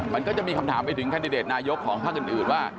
มันก็จะมีคำถามไปถึงแคนดิเดตนายกของภาคอื่นว่า